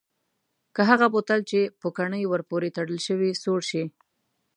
که هغه بوتل چې پوکڼۍ ور پورې تړل شوې سوړ شي؟